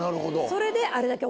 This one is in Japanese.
それで。